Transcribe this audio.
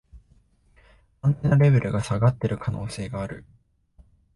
アンテナレベルが下がってる可能性がある